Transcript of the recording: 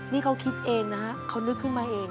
นี่เขาคิดเองนะเขานึกขึ้นมาเอง